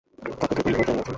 তাকে তোর ধন্যবাদ জানানো উচিৎ।